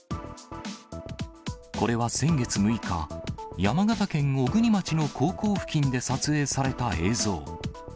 これは先月６日、山形県小国町の高校付近で撮影された映像。